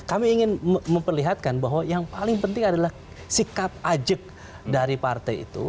kami ingin memperlihatkan bahwa yang paling penting adalah sikap ajak dari partai itu